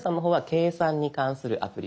「計算」に関するアプリ。